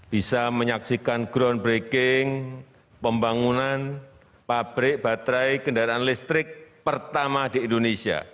bisa menyaksikan groundbreaking pembangunan pabrik baterai kendaraan listrik pertama di indonesia